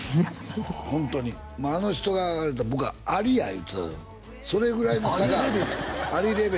ホントにあの人が言うたら僕はアリや言うてたそれぐらいの差があるアリレベル？